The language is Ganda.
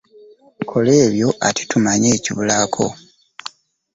Kola ebyo ate tumanye ekibulayo.